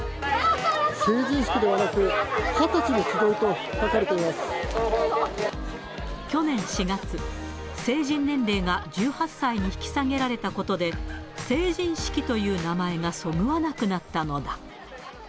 成人式ではなく、二十歳のつ去年４月、成人年齢が１８歳に引き下げられたことで、成人式という名前がそぐわなくなったのだ。